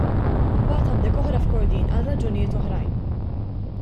Imbagħad għandek oħra f'Kordin għal raġunijiet oħrajn.